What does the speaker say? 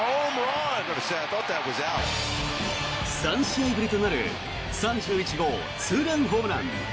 ３試合ぶりとなる３１号ツーランホームラン。